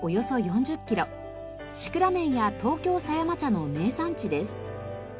シクラメンや東京狭山茶の名産地です。